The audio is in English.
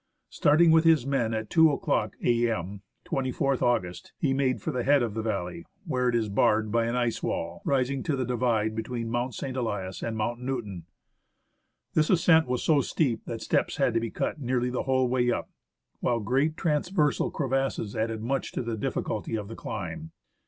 Starting with his men at 2 o'clock a.m. (24th August), he made for the head of the valley, where it is barred by an ice wall rising to the divide between Mount St. Elias and Mount Newton. 60 < w CO ■J o K H CO o THE HISTORY OF MOUNT ST. ELIAS This ascent was so steep that steps had to be cut nearly the whole way up, while great transversal crevasses added much to the difficulty of the climb.